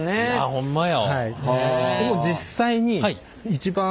ほんまや。